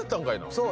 そう。